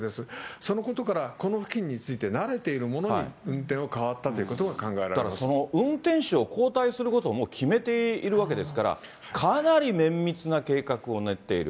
そのことから、この付近について慣れているものに運転を変わったということが考だから、その運転手を交代することを、もう決めているわけですから、かなり綿密な計画を練っている。